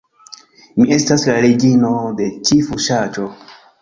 Mi estas la reĝino de ĉi fuŝaĵo